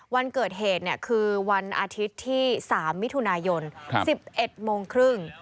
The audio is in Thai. วันเกิดเหตุคือวันอาทิตย์ที่๓มิถุนายน๑๑โมงครึ่ง